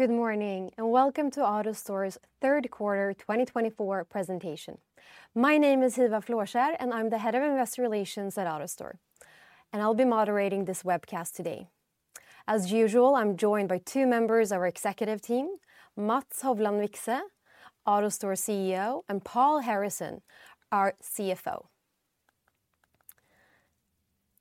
Good morning and welcome to AutoStore's third quarter 2024 presentation. My name is Hiva Flåskjer, and I'm the Head of Investor Relations at AutoStore, and I'll be moderating this webcast today. As usual, I'm joined by two members of our executive team, Mats Hovland Vikse, AutoStore CEO, and Paul Harrison, our CFO.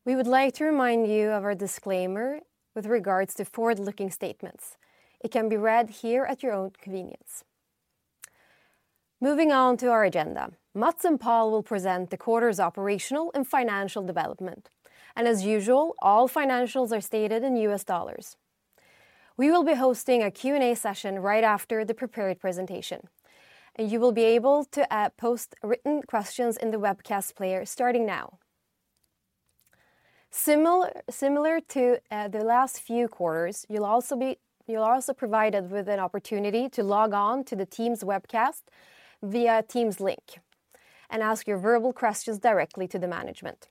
We would like to remind you of our disclaimer with regards to forward-looking statements. It can be read here at your own convenience. Moving on to our agenda, Mats and Paul will present the quarter's operational and financial development, and as usual, all financials are stated in U.S. dollars. We will be hosting a Q&A session right after the prepared presentation, and you will be able to post written questions in the webcast player starting now. Similar to the last few quarters, you'll also be provided with an opportunity to log on to the Teams webcast via Teams link and ask your verbal questions directly to the management.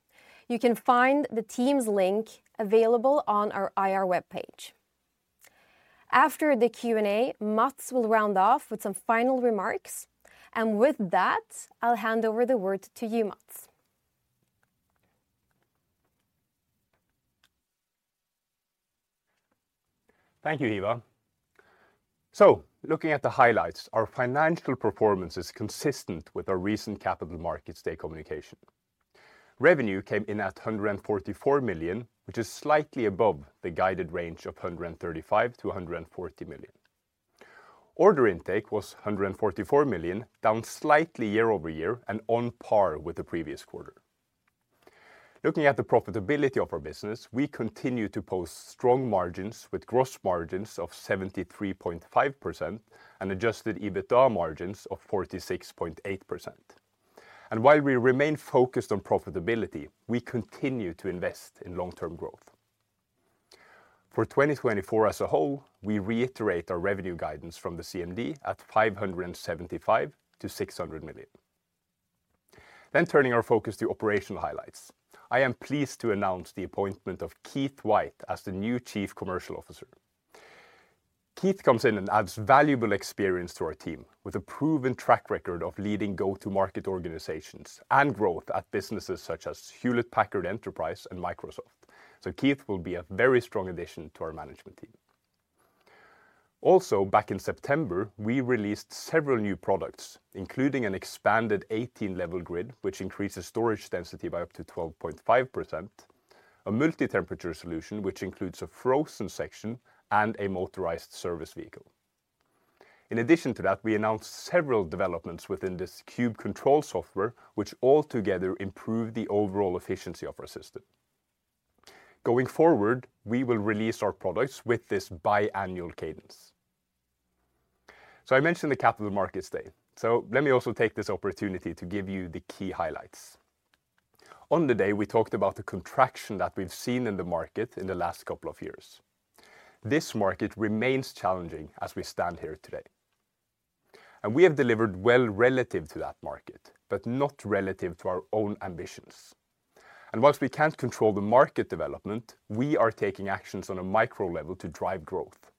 You can find the Teams link available on our IR webpage. After the Q&A, Mats will round off with some final remarks, and with that, I'll hand over the word to you, Mats. Thank you, Hiva. So, looking at the highlights, our financial performance is consistent with our recent Capital Markets Day communication. Revenue came in at $144 million, which is slightly above the guided range of $135-$140 million. Order intake was $144 million, down slightly year over year and on par with the previous quarter. Looking at the profitability of our business, we continue to post strong margins with gross margins of 73.5% and adjusted EBITDA margins of 46.8%. And while we remain focused on profitability, we continue to invest in long-term growth. For 2024 as a whole, we reiterate our revenue guidance from the CMD at $575-$600 million. Then, turning our focus to operational highlights, I am pleased to announce the appointment of Keith White as the new Chief Commercial Officer. Keith comes in and adds valuable experience to our team with a proven track record of leading go-to-market organizations and growth at businesses such as Hewlett Packard Enterprise and Microsoft. So, Keith will be a very strong addition to our management team. Also, back in September, we released several new products, including an expanded 18-level grid, which increases storage density by up to 12.5%, a multi-temperature solution which includes a frozen section and a motorized service vehicle. In addition to that, we announced several developments within this Cube Control software, which altogether improve the overall efficiency of our system. Going forward, we will release our products with this biannual cadence. So, I mentioned the Capital Markets Day. So, let me also take this opportunity to give you the key highlights. On the day, we talked about the contraction that we've seen in the market in the last couple of years. This market remains challenging as we stand here today, and we have delivered well relative to that market, but not relative to our own ambitions, and while we can't control the market development, we are taking actions on a micro level to drive growth,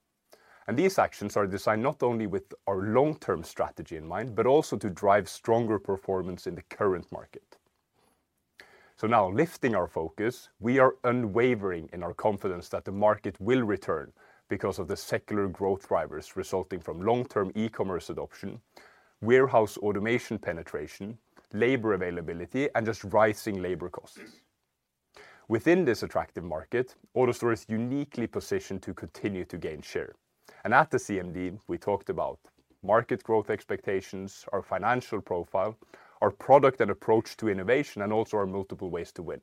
and these actions are designed not only with our long-term strategy in mind, but also to drive stronger performance in the current market, so now, lifting our focus, we are unwavering in our confidence that the market will return because of the secular growth drivers resulting from long-term e-commerce adoption, warehouse automation penetration, labor availability, and just rising labor costs. Within this attractive market, AutoStore is uniquely positioned to continue to gain share, and at the CMD, we talked about market growth expectations, our financial profile, our product and approach to innovation, and also our multiple ways to win.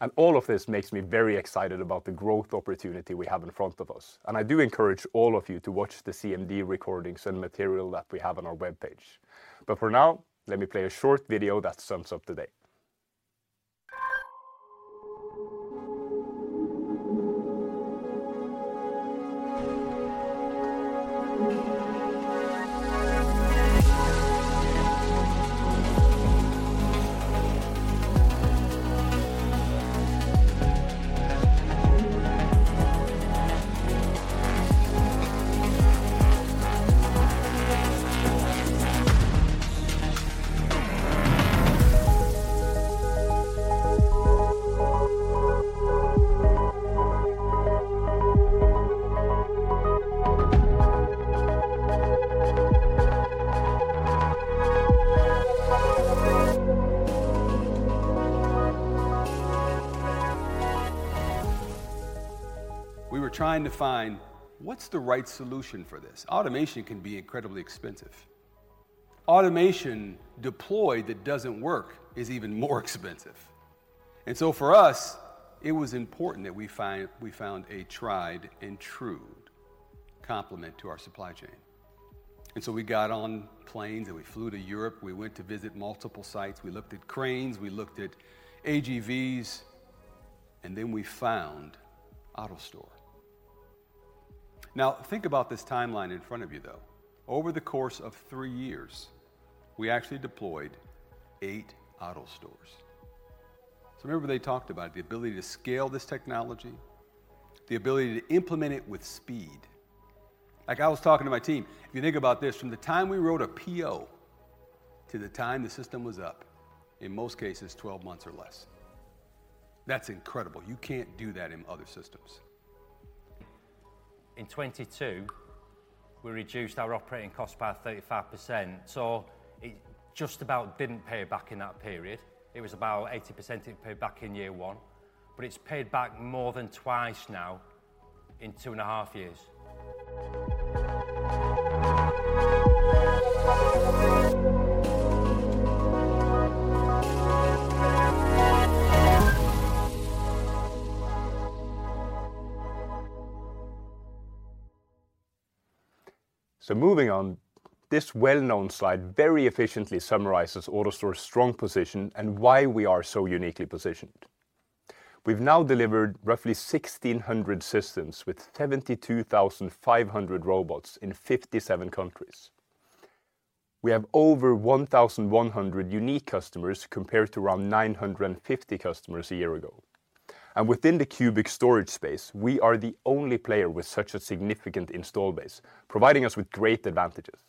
And all of this makes me very excited about the growth opportunity we have in front of us. And I do encourage all of you to watch the CMD recordings and material that we have on our webpage. But for now, let me play a short video that sums up the day. We were trying to find what's the right solution for this. Automation can be incredibly expensive. Automation deployed that doesn't work is even more expensive. And so for us, it was important that we found a tried and true complement to our supply chain. And so we got on planes and we flew to Europe. We went to visit multiple sites. We looked at cranes. We looked at AGVs. And then we found AutoStore. Now, think about this timeline in front of you, though. Over the course of three years, we actually deployed eight AutoStores. So remember they talked about the ability to scale this technology, the ability to implement it with speed. Like I was talking to my team, if you think about this, from the time we wrote a PO to the time the system was up, in most cases, 12 months or less. That's incredible. You can't do that in other systems. In 2022, we reduced our operating cost by 35%, so it just about didn't pay back in that period. It was about 80% it paid back in year one, but it's paid back more than twice now in two and a half years. So moving on, this well-known slide very efficiently summarizes AutoStore's strong position and why we are so uniquely positioned. We've now delivered roughly 1,600 systems with 72,500 robots in 57 countries. We have over 1,100 unique customers compared to around 950 customers a year ago. And within the cubic storage space, we are the only player with such a significant install base, providing us with great advantages.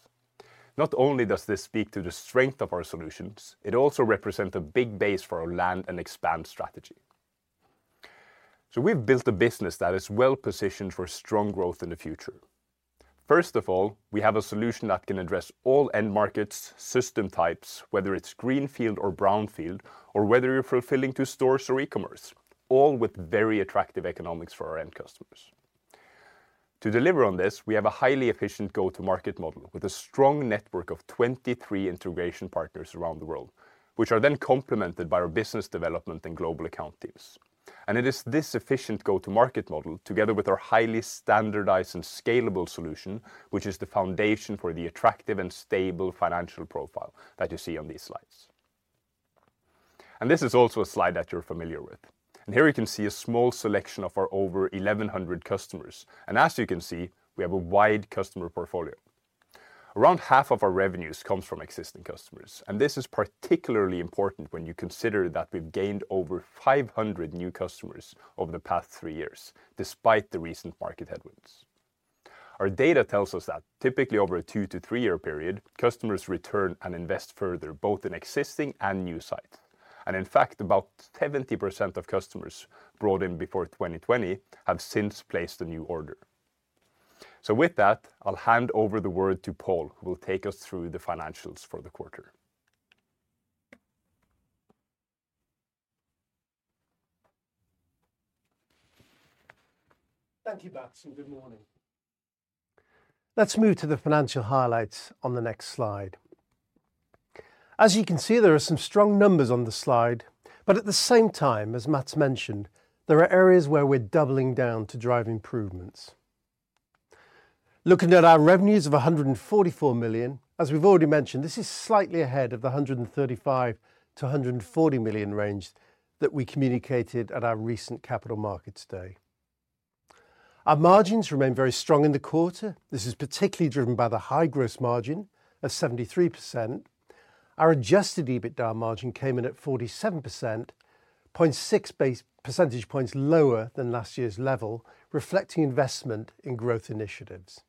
Not only does this speak to the strength of our solutions, it also represents a big base for our land and expand strategy. So we've built a business that is well positioned for strong growth in the future. First of all, we have a solution that can address all end markets, system types, whether it's greenfield or brownfield, or whether you're fulfilling to stores or e-commerce, all with very attractive economics for our end customers. To deliver on this, we have a highly efficient go-to-market model with a strong network of 23 integration partners around the world, which are then complemented by our business development and global account teams. And it is this efficient go-to-market model, together with our highly standardized and scalable solution, which is the foundation for the attractive and stable financial profile that you see on these slides. And this is also a slide that you're familiar with. And here you can see a small selection of our over 1,100 customers. And as you can see, we have a wide customer portfolio. Around half of our revenues comes from existing customers, and this is particularly important when you consider that we've gained over 500 new customers over the past three years, despite the recent market headwinds. Our data tells us that typically over a two- to three-year period, customers return and invest further, both in existing and new sites, and in fact, about 70% of customers brought in before 2020 have since placed a new order, so with that, I'll hand over the word to Paul, who will take us through the financials for the quarter. Thank you, Mats, and good morning. Let's move to the financial highlights on the next slide. As you can see, there are some strong numbers on the slide, but at the same time, as Mats mentioned, there are areas where we're doubling down to drive improvements. Looking at our revenues of $144 million, as we've already mentioned, this is slightly ahead of the $135-$140 million range that we communicated at our recent Capital Markets Day. Our margins remain very strong in the quarter. This is particularly driven by the high gross margin of 73%. Our adjusted EBITDA margin came in at 47%, 0.6 percentage points lower than last year's level, reflecting investment in growth initiatives.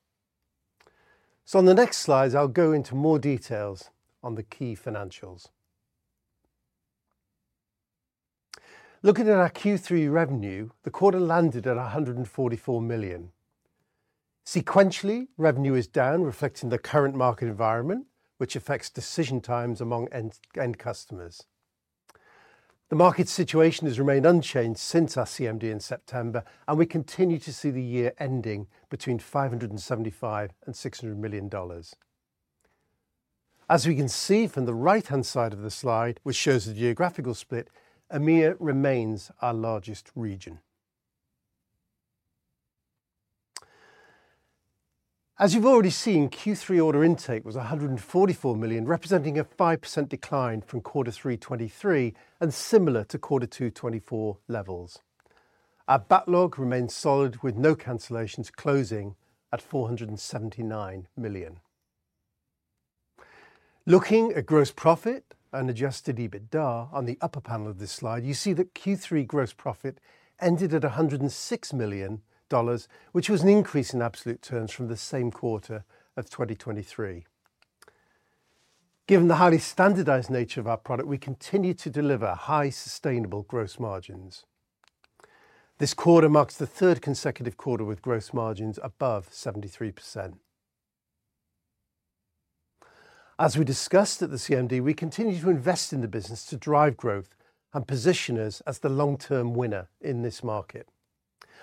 So on the next slides, I'll go into more details on the key financials. Looking at our Q3 revenue, the quarter landed at $144 million. Sequentially, revenue is down, reflecting the current market environment, which affects decision times among end customers. The market situation has remained unchanged since our CMD in September, and we continue to see the year ending between $575 million and $600 million. As we can see from the right-hand side of the slide, which shows the geographical split, EMEA remains our largest region. As you've already seen, Q3 order intake was $144 million, representing a 5% decline from quarter Q3 2023 and similar to quarter Q2 2024 levels. Our backlog remains solid with no cancellations, closing at $479 million. Looking at gross profit and adjusted EBITDA on the upper panel of this slide, you see that Q3 gross profit ended at $106 million, which was an increase in absolute terms from the same quarter of 2023. Given the highly standardized nature of our product, we continue to deliver high sustainable gross margins. This quarter marks the third consecutive quarter with gross margins above 73%. As we discussed at the CMD, we continue to invest in the business to drive growth and position us as the long-term winner in this market,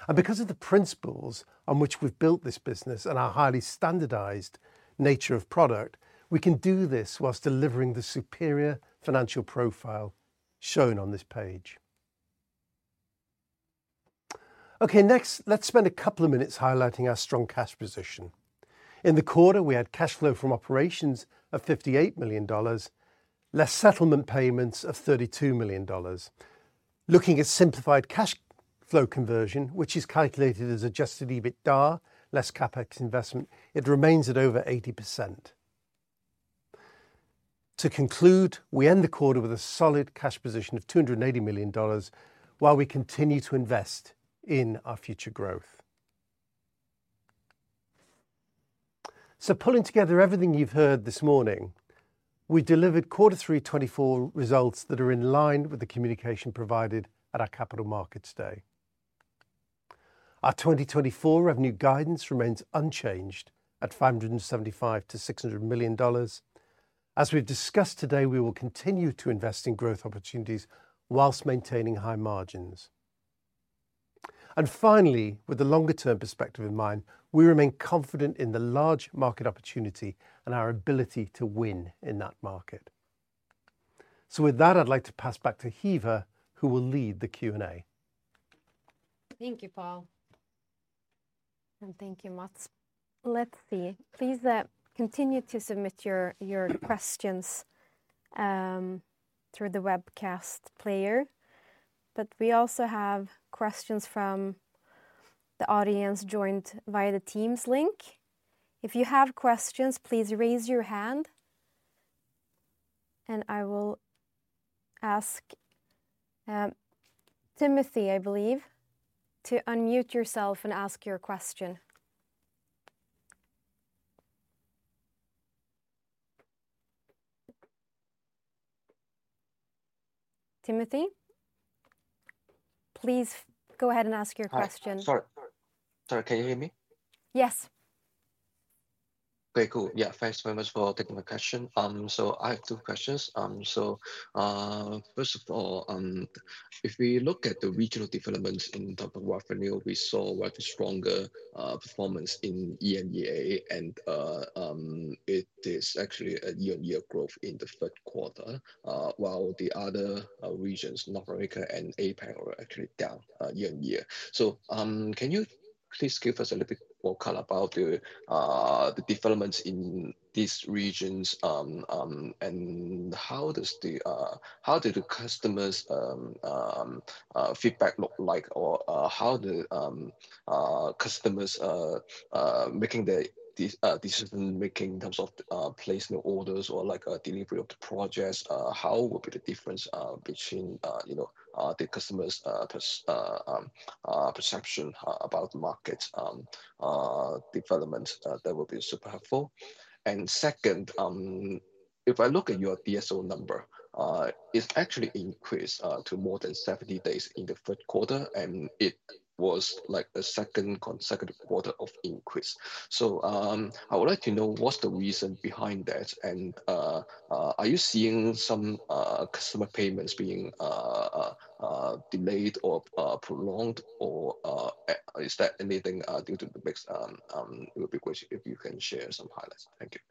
and because of the principles on which we've built this business and our highly standardized nature of product, we can do this whilst delivering the superior financial profile shown on this page. Okay, next, let's spend a couple of minutes highlighting our strong cash position. In the quarter, we had cash flow from operations of $58 million, less settlement payments of $32 million. Looking at simplified cash flow conversion, which is calculated as adjusted EBITDA, less CapEx investment, it remains at over 80%. To conclude, we end the quarter with a solid cash position of $280 million while we continue to invest in our future growth. Pulling together everything you've heard this morning, we delivered quarter 3 2024 results that are in line with the communication provided at our Capital Markets Day. Our 2024 revenue guidance remains unchanged at $575 million-$600 million. As we've discussed today, we will continue to invest in growth opportunities whilst maintaining high margins. And finally, with the longer-term perspective in mind, we remain confident in the large market opportunity and our ability to win in that market. With that, I'd like to pass back to Hiva, who will lead the Q&A. Thank you, Paul. And thank you, Mats. Let's see. Please continue to submit your questions through the webcast player. But we also have questions from the audience joined via the Teams link. If you have questions, please raise your hand. And I will ask Timothy, I believe, to unmute yourself and ask your question. Timothy, please go ahead and ask your question. Sorry, sorry, can you hear me? Yes. Okay, cool. Yeah, thanks very much for taking my question. So I have two questions. So first of all, if we look at the regional developments in terms of revenue, we saw a stronger performance in EMEA, and it is actually a year-on-year growth in the third quarter, while the other regions, North America and APAC, are actually down year-on-year. So can you please give us a little bit more color about the developments in these regions and how does the customers' feedback look like, or how the customers are making their decision-making in terms of placing orders or delivery of the projects? What would be the difference between the customers' perception about the market developments? That would be super helpful. Second, if I look at your DSO number, it's actually increased to more than 70 days in the third quarter, and it was like the second consecutive quarter of increase. I would like to know what's the reason behind that, and are you seeing some customer payments being delayed or prolonged, or is that anything due to the mix? It would be great if you can share some highlights. Thank you.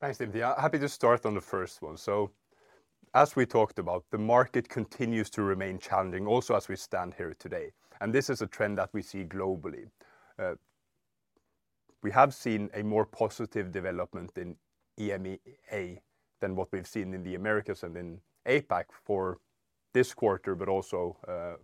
Thanks, Timothy. I'm happy to start on the first one. So as we talked about, the market continues to remain challenging also as we stand here today. And this is a trend that we see globally. We have seen a more positive development in EMEA than what we've seen in the Americas and in APAC for this quarter, but also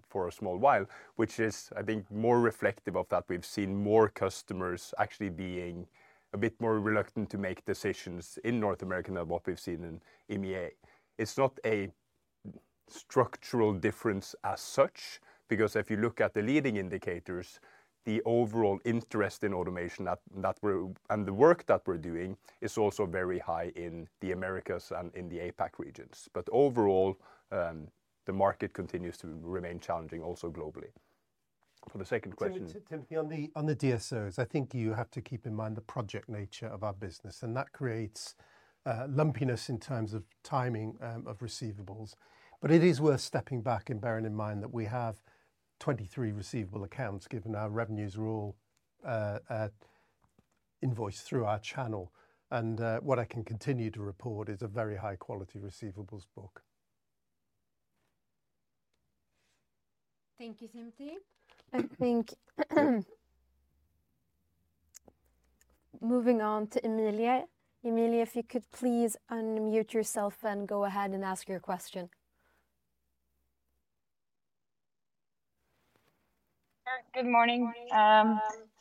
for a small while, which is, I think, more reflective of that we've seen more customers actually being a bit more reluctant to make decisions in North America than what we've seen in EMEA. It's not a structural difference as such, because if you look at the leading indicators, the overall interest in automation and the work that we're doing is also very high in the Americas and in the APAC regions. But overall, the market continues to remain challenging also globally. For the second question. Timothy, on the DSOs, I think you have to keep in mind the project nature of our business, and that creates lumpiness in terms of timing of receivables. But it is worth stepping back and bearing in mind that we have 23 receivable accounts given our revenues are all invoiced through our channel. And what I can continue to report is a very high-quality receivables book. Thank you, Timothy. I think moving on to Emilia. Emilia, if you could please unmute yourself and go ahead and ask your question. Good morning.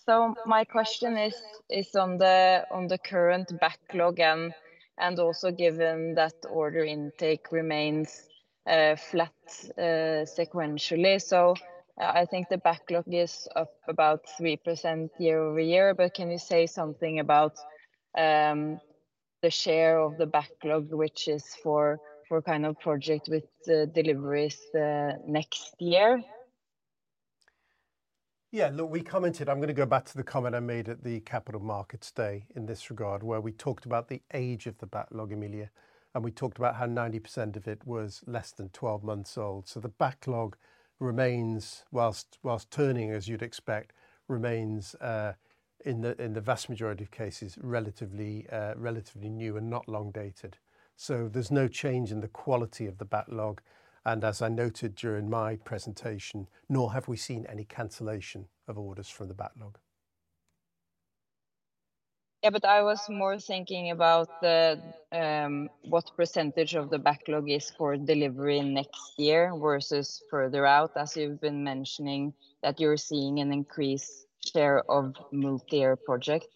So my question is on the current backlog and also given that order intake remains flat sequentially. So I think the backlog is up about 3% year over year. But can you say something about the share of the backlog, which is for kind of project with deliveries next year? Yeah, look, we commented. I'm going to go back to the comment I made at the Capital Markets Day in this regard, where we talked about the age of the backlog, Emilia, and we talked about how 90% of it was less than 12 months old. So the backlog remains, whilst turning, as you'd expect, remains in the vast majority of cases relatively new and not long-dated. So there's no change in the quality of the backlog. And as I noted during my presentation, nor have we seen any cancellation of orders from the backlog. Yeah, but I was more thinking about what percentage of the backlog is for delivery next year versus further out, as you've been mentioning that you're seeing an increased share of multi-year projects?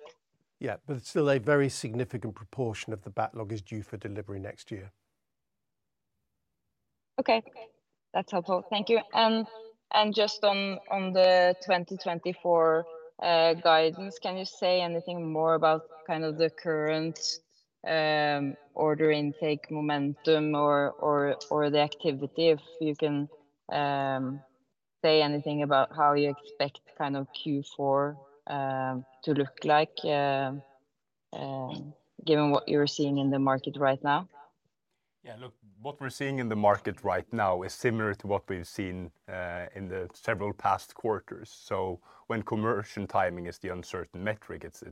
Yeah, but it's still a very significant proportion of the backlog is due for delivery next year. Okay, that's helpful. Thank you. And just on the 2024 guidance, can you say anything more about kind of the current order intake momentum or the activity, if you can say anything about how you expect kind of Q4 to look like, given what you're seeing in the market right now? Yeah, look, what we're seeing in the market right now is similar to what we've seen in the several past quarters, so when commercial timing is the uncertain metric, it's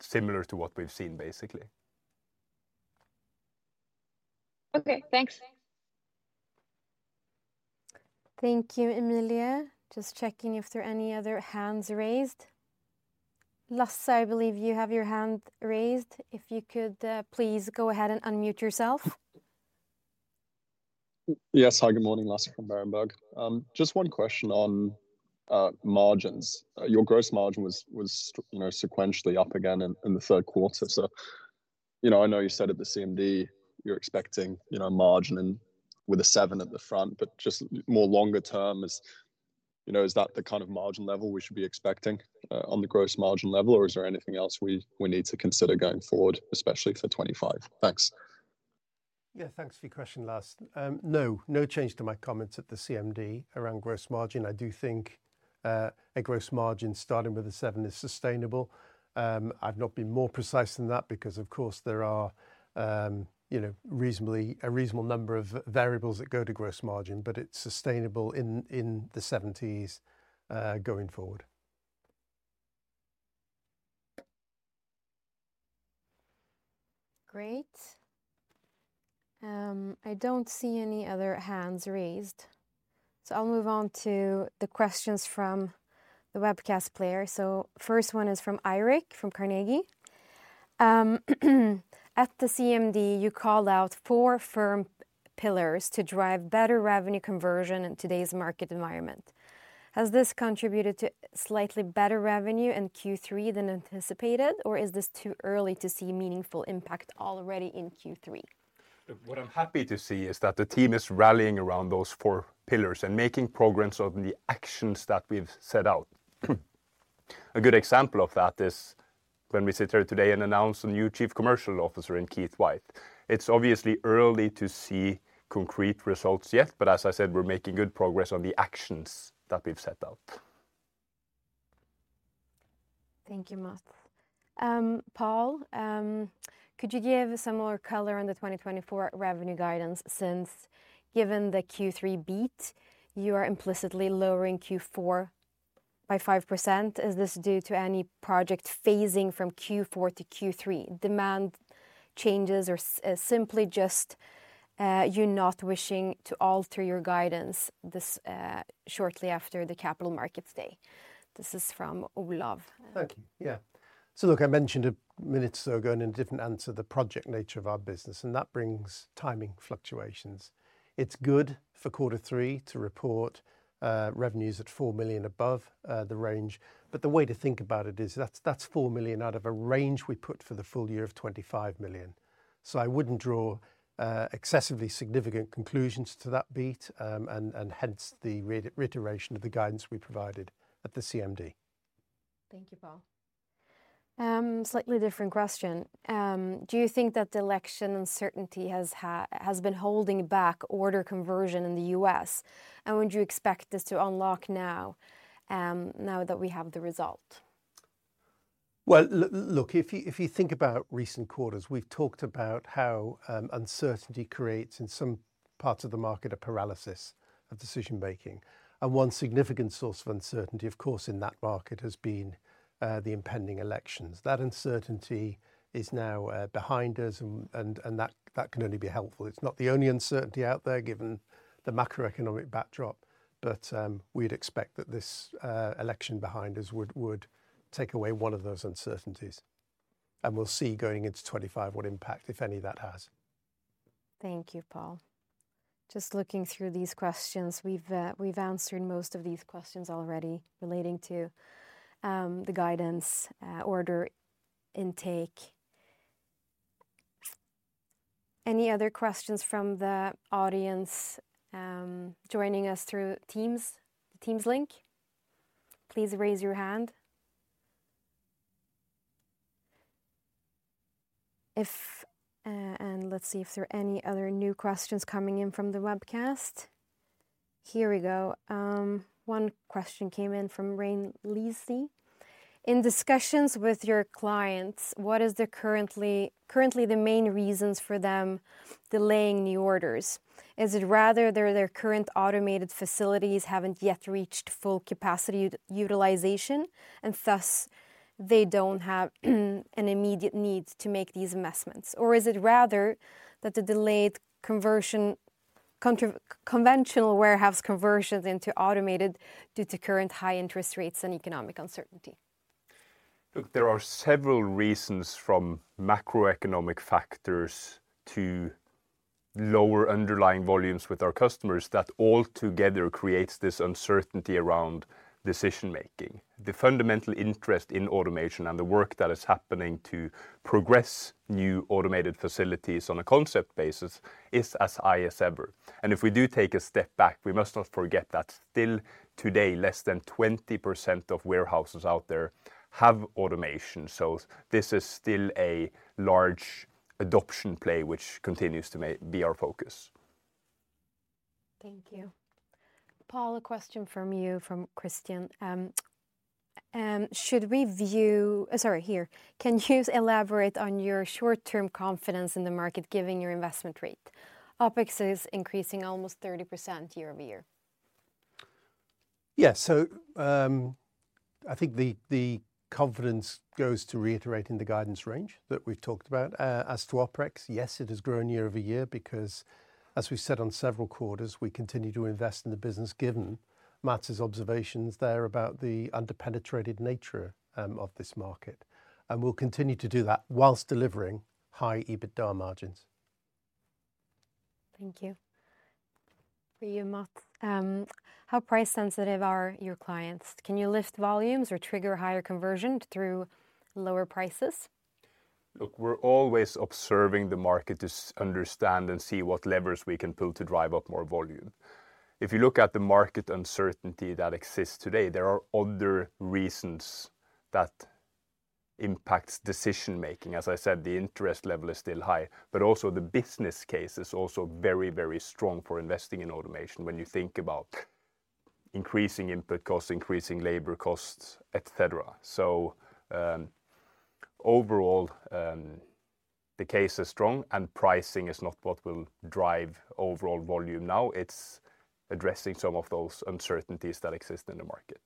similar to what we've seen, basically. Okay, thanks. Thank you, Emilia. Just checking if there are any other hands raised. Lutz, I believe you have your hand raised. If you could please go ahead and unmute yourself. Yes, hi, good morning, Lutz from Berenberg. Just one question on margins. Your gross margin was sequentially up again in the third quarter. So I know you said at the CMD you're expecting margin with a seven at the front, but just more longer term, is that the kind of margin level we should be expecting on the gross margin level, or is there anything else we need to consider going forward, especially for 2025? Thanks. Yeah, thanks for your question, Lutz. No, no change to my comments at the CMD around gross margin. I do think a gross margin starting with a seven is sustainable. I've not been more precise than that because, of course, there are a reasonable number of variables that go to gross margin, but it's sustainable in the 70s going forward. Great. I don't see any other hands raised. So I'll move on to the questions from the webcast player. So first one is from Eirik from Carnegie. At the CMD, you called out four firm pillars to drive better revenue conversion in today's market environment. Has this contributed to slightly better revenue in Q3 than anticipated, or is this too early to see meaningful impact already in Q3? What I'm happy to see is that the team is rallying around those four pillars and making progress on the actions that we've set out. A good example of that is when we sit here today and announce a new Chief Commercial Officer, Keith White. It's obviously early to see concrete results yet, but as I said, we're making good progress on the actions that we've set out. Thank you, Mats. Paul, could you give some more color on the 2024 revenue guidance since, given the Q3 beat, you are implicitly lowering Q4 by 5%? Is this due to any project phasing from Q4 to Q3, demand changes, or simply just you not wishing to alter your guidance shortly after the Capital Markets Day? This is from Olav. Thank you. Yeah. So look, I mentioned a minute ago in a different answer the project nature of our business, and that brings timing fluctuations. It's good for quarter three to report revenues at $4 million above the range, but the way to think about it is that's $4 million out of a range we put for the full year of $25 million. So I wouldn't draw excessively significant conclusions to that beat, and hence the reiteration of the guidance we provided at the CMD. Thank you, Paul. Slightly different question. Do you think that the election uncertainty has been holding back order conversion in the U.S., and would you expect this to unlock now that we have the result? Well, look, if you think about recent quarters, we've talked about how uncertainty creates in some parts of the market a paralysis of decision-making. And one significant source of uncertainty, of course, in that market has been the impending elections. That uncertainty is now behind us, and that can only be helpful. It's not the only uncertainty out there, given the macroeconomic backdrop, but we'd expect that this election behind us would take away one of those uncertainties. And we'll see going into 2025 what impact, if any, that has. Thank you, Paul. Just looking through these questions, we've answered most of these questions already relating to the guidance, order intake. Any other questions from the audience joining us through Teams link? Please raise your hand, and let's see if there are any other new questions coming in from the webcast. Here we go. One question came in from Rain Lizzie. In discussions with your clients, what is currently the main reasons for them delaying new orders? Is it rather their current automated facilities haven't yet reached full capacity utilization, and thus they don't have an immediate need to make these investments? Or is it rather that the delayed conventional warehouse conversions into automated due to current high interest rates and economic uncertainty? Look, there are several reasons from macroeconomic factors to lower underlying volumes with our customers that altogether creates this uncertainty around decision-making. The fundamental interest in automation and the work that is happening to progress new automated facilities on a concept basis is as high as ever. And if we do take a step back, we must not forget that still today, less than 20% of warehouses out there have automation. So this is still a large adoption play, which continues to be our focus. Thank you. Paul, a question from you, from Christian. Should we view, sorry, here, can you elaborate on your short-term confidence in the market given your investment rate? OpEx is increasing almost 30% year over year. Yeah, so I think the confidence goes to reiterating the guidance range that we've talked about as to OpEx. Yes, it has grown year over year because, as we've said on several quarters, we continue to invest in the business given Mats's observations there about the underpenetrated nature of this market, and we'll continue to do that while delivering high EBITDA margins. Thank you. For you, Mats. How price-sensitive are your clients? Can you lift volumes or trigger higher conversion through lower prices? Look, we're always observing the market to understand and see what levers we can pull to drive up more volume. If you look at the market uncertainty that exists today, there are other reasons that impact decision-making. As I said, the interest level is still high, but also the business case is also very, very strong for investing in automation when you think about increasing input costs, increasing labor costs, etc. So overall, the case is strong, and pricing is not what will drive overall volume now. It's addressing some of those uncertainties that exist in the market.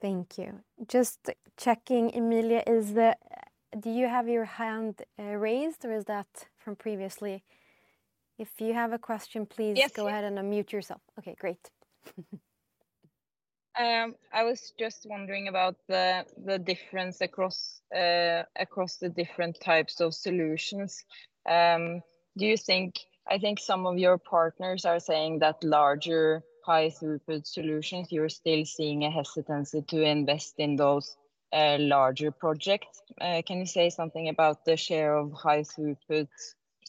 Thank you. Just checking, Emilia, do you have your hand raised, or is that from previously? If you have a question, please go ahead and unmute yourself. Okay, great. I was just wondering about the difference across the different types of solutions. I think some of your partners are saying that larger high-throughput solutions, you're still seeing a hesitancy to invest in those larger projects. Can you say something about the share of high-throughput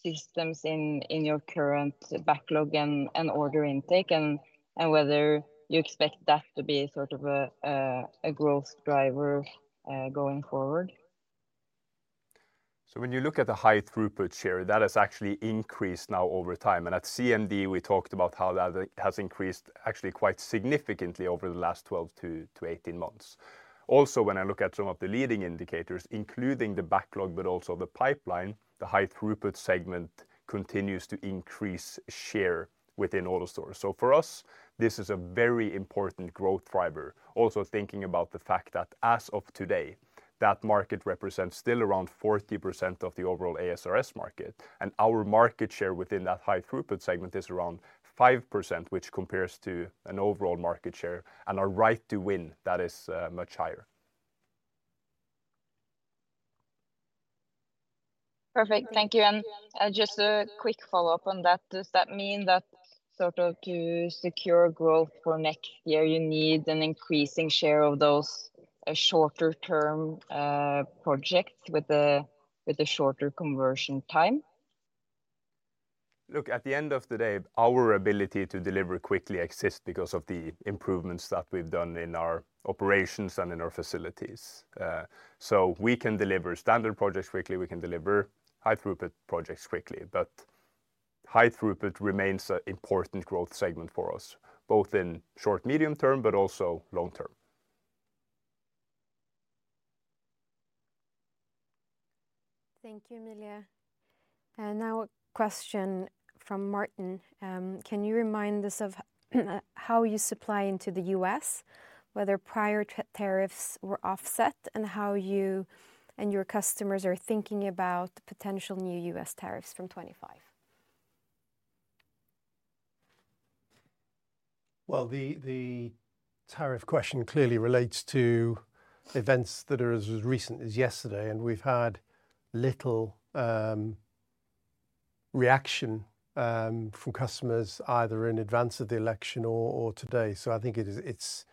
systems in your current backlog and order intake, and whether you expect that to be sort of a growth driver going forward? So when you look at the high-throughput share, that has actually increased now over time. And at CMD, we talked about how that has increased actually quite significantly over the last 12-18 months. Also, when I look at some of the leading indicators, including the backlog, but also the pipeline, the high-throughput segment continues to increase share within AutoStore. So for us, this is a very important growth driver. Also thinking about the fact that as of today, that market represents still around 40% of the overall ASRS market, and our market share within that high-throughput segment is around 5%, which compares to an overall market share, and our right to win, that is much higher. Perfect. Thank you. And just a quick follow-up on that. Does that mean that sort of to secure growth for next year, you need an increasing share of those shorter-term projects with a shorter conversion time? Look, at the end of the day, our ability to deliver quickly exists because of the improvements that we've done in our operations and in our facilities. So we can deliver standard projects quickly. We can deliver high-throughput projects quickly, but high-throughput remains an important growth segment for us, both in short, medium term, but also long term. Thank you, Emilia. Now, a question from Martin. Can you remind us of how you supply into the U.S., whether prior tariffs were offset, and how you and your customers are thinking about potential new U.S. tariffs from 2025? The tariff question clearly relates to events that are as recent as yesterday, and we've had little reaction from customers either in advance of the election or today. I think it's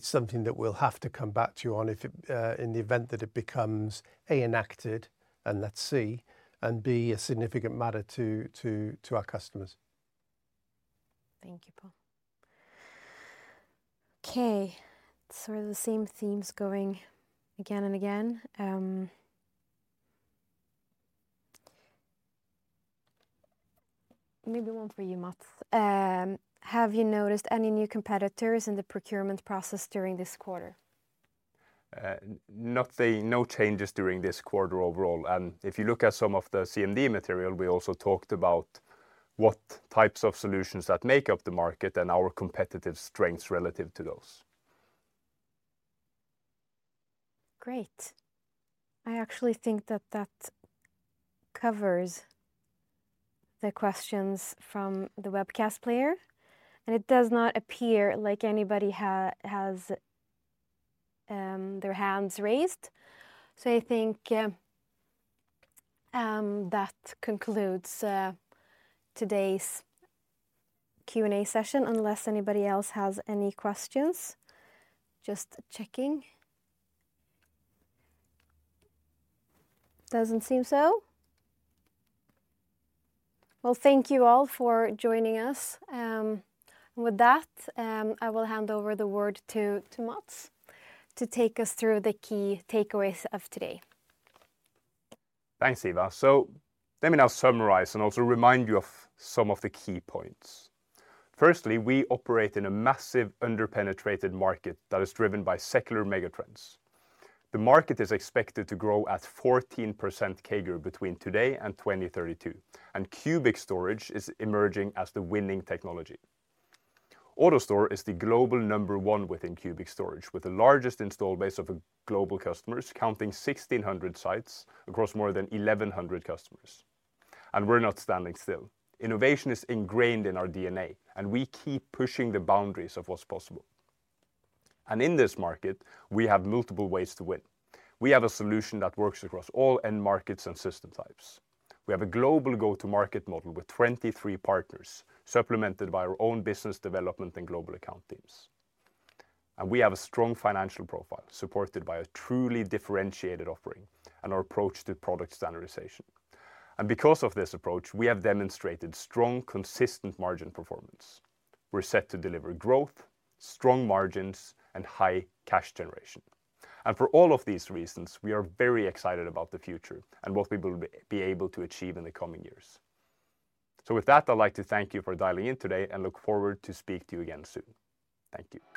something that we'll have to come back to you on in the event that it becomes A, enacted, and B, a significant matter to our customers. Thank you, Paul. Okay, sort of the same themes going again and again. Maybe one for you, Mats. Have you noticed any new competitors in the procurement process during this quarter? No changes during this quarter overall, and if you look at some of the CMD material, we also talked about what types of solutions that make up the market and our competitive strengths relative to those. Great. I actually think that covers the questions from the webcast player, and it does not appear like anybody has their hands raised. So I think that concludes today's Q&A session unless anybody else has any questions. Just checking. Doesn't seem so. Well, thank you all for joining us, and with that, I will hand over the word to Mats to take us through the key takeaways of today. Thanks, Hiva. So let me now summarize and also remind you of some of the key points. Firstly, we operate in a massive underpenetrated market that is driven by secular megatrends. The market is expected to grow at 14% CAGR between today and 2032, and cubic storage is emerging as the winning technology. AutoStore is the global number one within cubic storage, with the largest install base of global customers counting 1,600 sites across more than 1,100 customers, and we're not standing still. Innovation is ingrained in our DNA, and we keep pushing the boundaries of what's possible, and in this market, we have multiple ways to win. We have a solution that works across all end markets and system types. We have a global go-to-market model with 23 partners supplemented by our own business development and global account teams. And we have a strong financial profile supported by a truly differentiated offering and our approach to product standardization. And because of this approach, we have demonstrated strong, consistent margin performance. We're set to deliver growth, strong margins, and high cash generation. And for all of these reasons, we are very excited about the future and what we will be able to achieve in the coming years. So with that, I'd like to thank you for dialing in today and look forward to speaking to you again soon. Thank you.